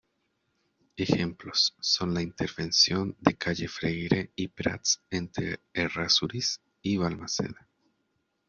Ejemplos son la intervención de calle Freire y Prats entre Errázuriz y Balmaceda.